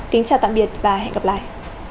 kính chào tạm biệt và hẹn gặp lại